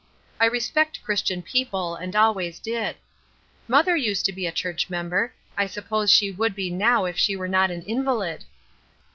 I respect Christian people, and always did. Mother used to be a church member; I suppose she would be now if she were not an invalid.